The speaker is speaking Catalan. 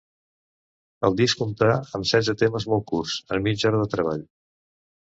El disc comptà amb setze temes molt curts, en mitja hora de treball.